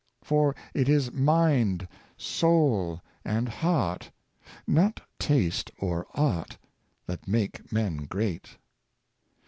For it is mind, soul, and heart — not taste or art — that make men great.